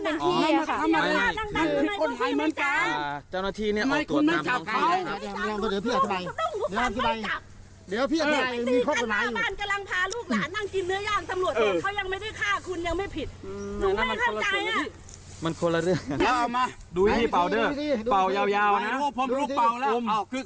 ไม่ใช่ไม่ใช่มันไม่ใช่แบบนี้ป่าวยาวยาวป่าวจนลูกโปรงแตก